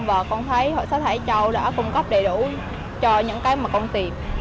và con thấy hội sách hải châu đã cung cấp đầy đủ cho những cái mà con tìm